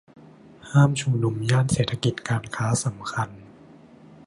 ห้ามชุมนุมย่านเศรษฐกิจการค้าสำคัญ